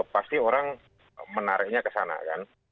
pasti orang menariknya ke sana kan